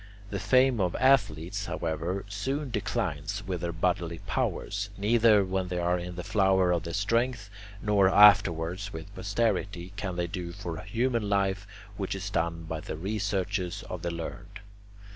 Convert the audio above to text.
The fame of athletes, however, soon declines with their bodily powers. Neither when they are in the flower of their strength, nor afterwards with posterity, can they do for human life what is done by the researches of the learned.